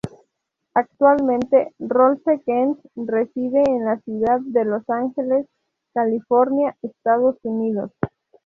Actualmente Rolfe Kent reside en la ciudad de Los Ángeles, California, Estados Unidos.